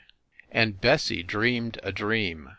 An^i Bessie dreamed a dream.